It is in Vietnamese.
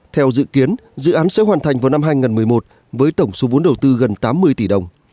theo dự kiến dự án sẽ hoàn thành vào năm hai nghìn một mươi một với tổng số vốn đầu tư gần tám mươi tỷ đồng